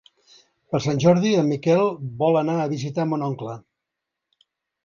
Per Sant Jordi en Miquel vol anar a visitar mon oncle.